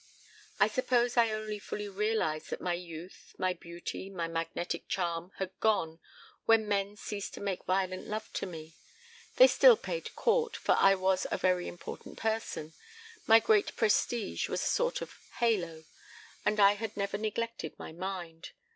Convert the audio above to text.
. "I suppose I only fully realized that my youth, my beauty, my magnetic charm, had gone when men ceased to make violent love to me. They still paid court, for I was a very important person, my great prestige was a sort of halo, and I had never neglected my mind.